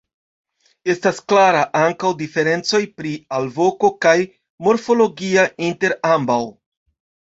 Estas klara ankaŭ diferencoj pri alvoko kaj morfologia inter ambaŭ.